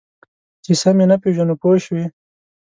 چې سم یې نه پېژنو پوه شوې!.